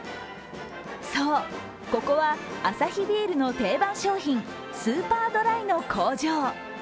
そう、ここはアサヒビールの定番商品、スーパードライの工場。